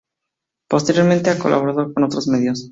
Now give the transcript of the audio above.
Posteriormente ha colaborado con otros medios.